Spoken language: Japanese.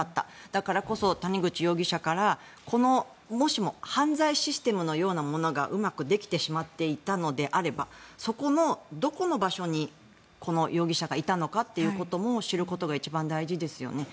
だからこそ、谷口容疑者からもしも犯罪システムのようなものがうまくできてしまっていたのであればそこのどこの場所にこの容疑者がいたのかということも知ることが一番大事ですよね。